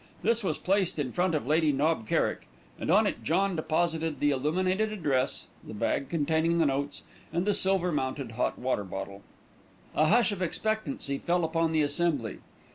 This was placed in front of Lady Knob Kerrick, and on it John deposited the illuminated address, the bag containing the notes, and the silver mounted hot water bottle. A hush of expectancy fell upon the assembly.